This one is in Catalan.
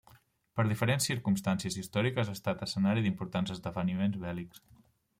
Per diferents circumstàncies històriques ha estat escenari d'importants esdeveniments bèl·lics.